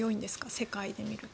世界で見ると。